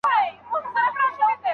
آیا ازادي تر غلامۍ خوندوره ده؟